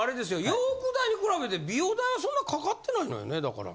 洋服代に比べて美容代はそんなかかってないのよねだから。